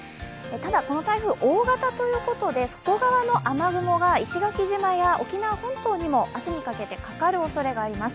ただこの台風、大型ということで外側の雨雲が石垣島や、沖縄本島にも明日にかけて、かかるおそれがあります。